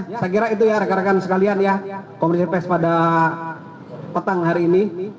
saya kira itu ya rekan rekan sekalian ya komersil pes pada petang hari ini